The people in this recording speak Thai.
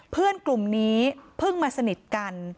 เพื่อนกลุ่มนี้เพิ่งมาสนิทกัน